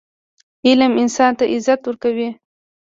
علم انسان ته عزت ورکوي.